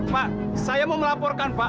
pak saya mau melaporkan pak